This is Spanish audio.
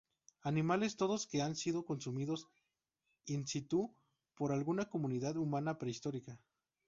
Animales todos que han sido consumidos "in situ" por alguna comunidad humana prehistórica.